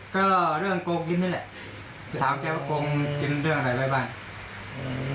ก็เรื่องโกงกินนี่แหละไปถามแกว่าโกงกินเรื่องอะไรไว้บ้างอืม